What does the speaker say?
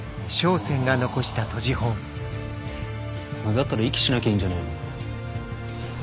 だったら息しなきゃいいんじゃねえの？なぁ？